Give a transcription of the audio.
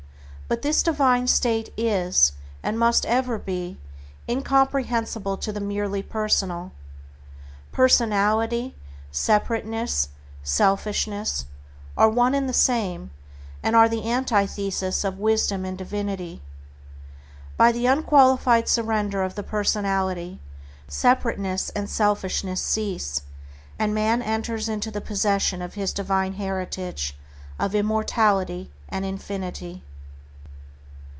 But this divine state is, and must ever be, incomprehensible to the merely personal. Personality, separateness, selfishness are one and the same, and are the antithesis of wisdom and divinity. By the unqualified surrender of the personality, separateness and selfishness cease, and man enters into the possession of his divine heritage of immortality and infinity.